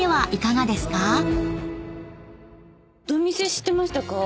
ドミセ知ってましたか？